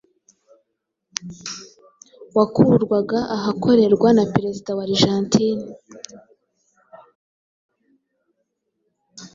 wakurwaga ahakorerwa na Perezida wa Argentine